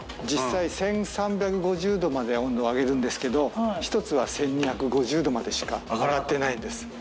実際１３５０度まで温度を上げるんですけど、１つは１２５０度までしか上がってないんです。